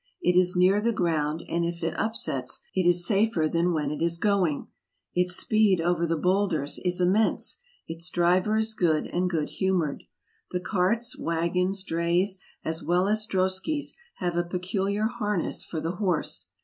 It is near the ground, and if it upsets, it is safer than when it is going. Its speed over the bowlders is immense. Its driver is good, and good humored. The carts, wagons, drays, as well as droskies, have a peculiar harness for the horse.